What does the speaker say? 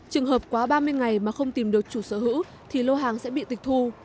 trường hợp quá ba mươi ngày mà không tìm được chủ sở hữu thì lô hàng sẽ bị tịch thu